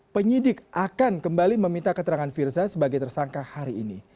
penyidik akan kembali meminta keterangan firza sebagai tersangka hari ini